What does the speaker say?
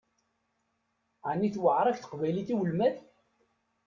Ɛni tewεeṛ-ak teqbaylit i ulmad?